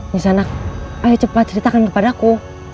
nyesel anak ayo cepat ceritakan kepadaku